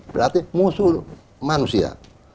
berarti musuh manusia